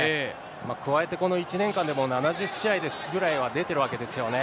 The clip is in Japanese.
加えてこの１年間でも７０試合ぐらいは出てるわけですよね。